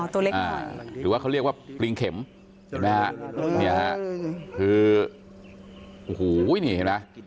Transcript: ตัวเล็กหรือว่าเขาเรียกว่าปริงเข็มเห็นไหมฮะเนี่ยฮะคือโอ้โหนี่เห็นไหม